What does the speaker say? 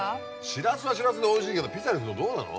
しらすはしらすでおいしいけどピザにするとどうなの？